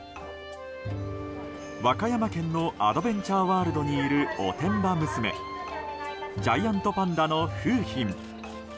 和歌山県のアドベンチャーワールドにいるおてんば娘ジャイアントパンダの楓浜。